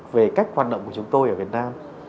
về cách hoạt động của chúng tôi ở việt nam